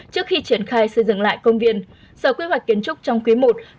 trước khi triển khai xây dựng lại công viên sở quy hoạch kiến trúc trong quý i